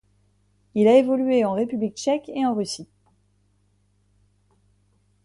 Il a évolué en République tchèque et en Russie.